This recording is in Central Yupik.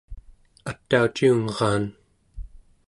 atauciungraan